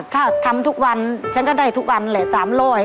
ถ้าทำทุกวันฉันก็ได้ทุกวันแหละ๓๐๐บาท